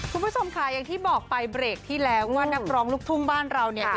คุณผู้ชมค่ะอย่างที่บอกไปเบรกที่แล้วว่านักร้องลูกทุ่งบ้านเราเนี่ย